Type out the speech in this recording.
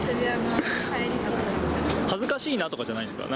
恥ずかしいとかじゃないんですか？